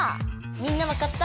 みんなわかった？